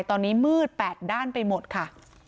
ตอนนี้มืด๘ด้านไปหมดค่ะ